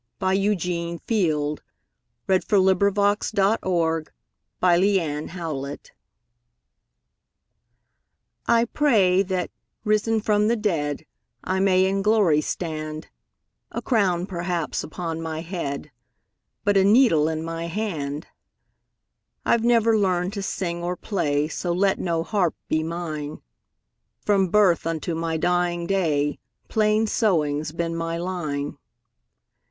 1912. Eugene Field 1850–1895 Eugene Field 230 Grandma's Prayer I PRAY that, risen from the dead,I may in glory stand—A crown, perhaps, upon my head, But a needle in my hand.I 've never learned to sing or play, So let no harp be mine; From birth unto my dying day, Plain sewing 's been my line.